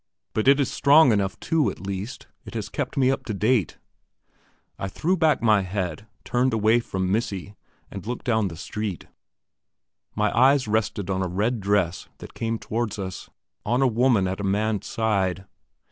But it is strong enough too; at least, it has kept me up to date." I threw back my head, turned away from "Missy," and looked down the street. My eyes rested on a red dress that came towards us; on a woman at a man's side.